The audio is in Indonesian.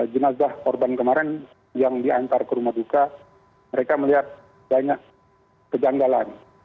jenazah korban kemarin yang diantar ke rumah duka mereka melihat banyak kejanggalan